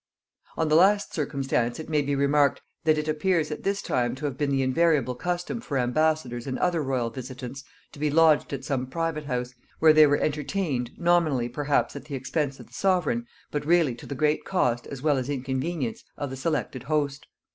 On the last circumstance it may be remarked, that it appears at this time to have been the invariable custom for ambassadors and other royal visitants to be lodged at some private house, where they were entertained, nominally perhaps at the expense of the sovereign, but really to the great cost as well as inconvenience of the selected host.